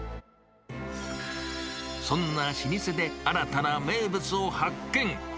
そんな老舗で新たな名物を発見。